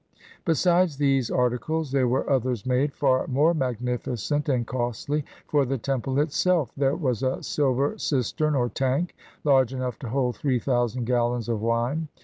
Besides these articles, there were others made, far more magnificent and costly, for the temple itself. There was a silver cistern or tank, large enough to hold three thousand gallons of wine.